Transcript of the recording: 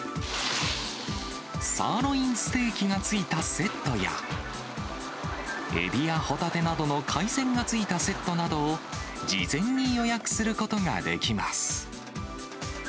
サーロインステーキが付いたセットや、エビやホタテなどの海鮮が付いたセットなどを事前に予約することができます。